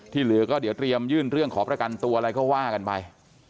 เหลือก็เดี๋ยวเตรียมยื่นเรื่องขอประกันตัวอะไรก็ว่ากันไป